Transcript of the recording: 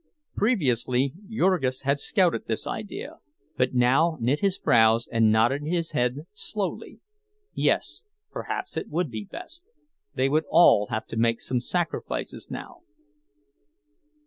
Previously Jurgis had scouted this idea, but now knit his brows and nodded his head slowly—yes, perhaps it would be best; they would all have to make some sacrifices now.